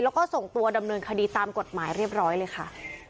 แล้วก็ส่งตัวดำเนินคดีตามกฎหมายเรียบร้อยเลยค่ะ